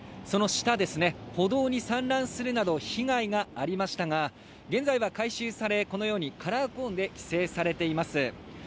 その下、歩道に散乱するなど被害がありましたが、現在は回収され、このようにカラーコーンで規制されています。